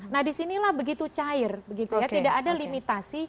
nah disinilah begitu cair tidak ada limitasi